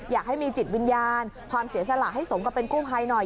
อยากให้มีจิตวิญญาณความเสียสละให้สมกับเป็นกู้ภัยหน่อย